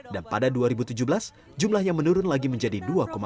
dan pada dua ribu tujuh belas jumlahnya menurun lagi menjadi dua empat